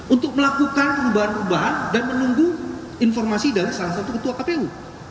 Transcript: untuk melakukan perubahan perubahan dan menunggu informasi dari salah satu ketua kpu